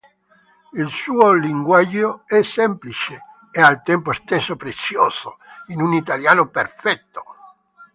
Il suo linguaggio è semplice e al tempo stesso prezioso, in un italiano perfetto.